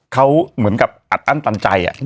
เขาเหมือนกับอัดอั้นตันใจ